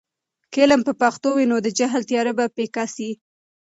که علم په پښتو وي، نو د جهل تیاره به پیکه سي.